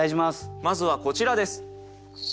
まずはこちらです。